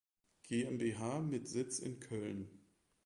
GmbH mit Sitz in Köln.